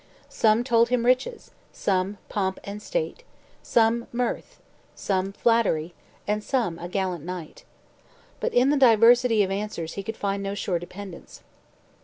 Some told him riches; some, pomp and state; some, mirth; some, flattery; and some, a gallant knight. But in the diversity of answers he could find no sure dependence.